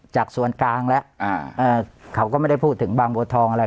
จากส่วนกลางแล้วเขาก็ไม่ได้พูดถึงบางบัวทองอะไร